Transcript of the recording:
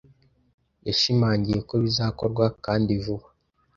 yashimangiye ko bizakorwa kandi vuba